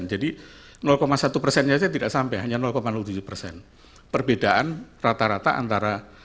jadi satu nya saja tidak sampai hanya tujuh perbedaan rata rata antara